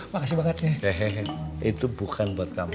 makasih banget ya